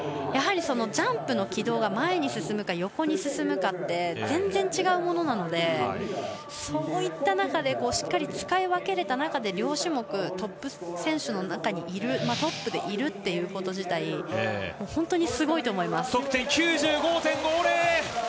ジャンプの軌道が前に進むか横に進むかは全然違うものなのでそういった中で、しっかり使い分けれた中で両種目トップでいるということ自体本当にすごいと思います。